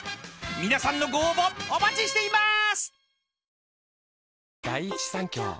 ［皆さんのご応募お待ちしています！］